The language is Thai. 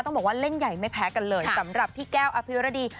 ต้องบอกว่าเล่นใหญ่ไม่แพ้กันเลยสำหรับพี่แก้วอภิรดี